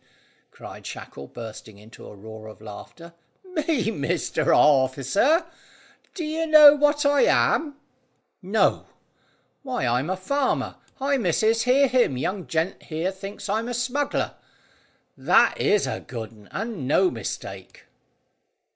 cried Shackle, bursting into a roar of laughter. "Me, Mr Orficer? Do you know what I am?" "No." "Why, I'm a farmer. Hi, missus, hear him! Young gent here thinks I'm a smuggler. That is a good un, and no mistake."